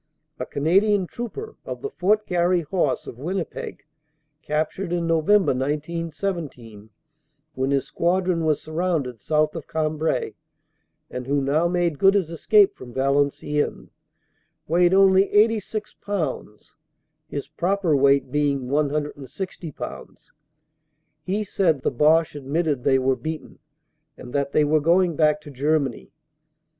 A Canadian trooper, of the Fort Garry Horse, of Winnipeg, captured in November, 1917, when his squad ron was surrounded south of Cambrai, and who now made good his escape from Valenciennes, weighed only 86 pounds, his proper weight being 160 pounds. He said the Boche admitted they were beaten and that they were going back to Germany.